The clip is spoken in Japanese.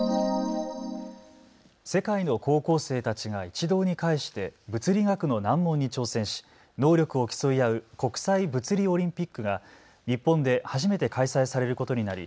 世界の高校生たちが一堂に会して物理学の難問に挑戦し能力を競い合う国際物理オリンピックが日本で初めて開催されることになり